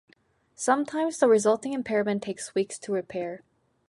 Sometimes the resulting impairment takes weeks to repair.